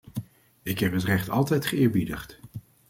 Ik heb het recht altijd geëerbiedigd.